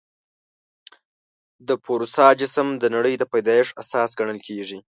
د پوروسا جسم د نړۍ د پیدایښت اساس ګڼل کېږي.